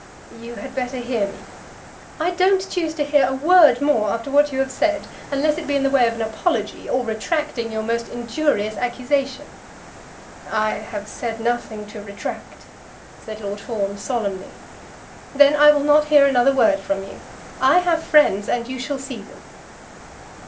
"You had better hear me." "I don't choose to hear a word more after what you have said, unless it be in the way of an apology, or retracting your most injurious accusation." "I have said nothing to retract," said Lord Fawn solemnly. "Then I will not hear another word from you. I have friends, and you shall see them."